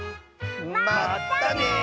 まったね！